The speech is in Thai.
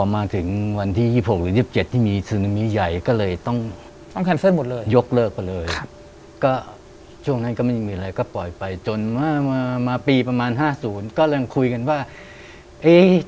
ไม่มีไม่มีครับไม่มี